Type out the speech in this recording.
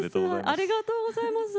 ありがとうございます。